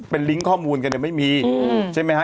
เป็นลิงก์ข้อมูลกันเนี่ยไม่มีใช่ไหมฮะ